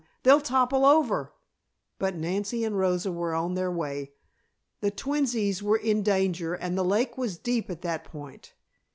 They'll topple over " But Nancy and Rosa were on their way. The twinnies were in danger and the lake was deep at that point.